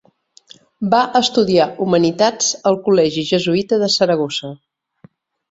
Va estudiar Humanitats al col·legi jesuïta de Saragossa.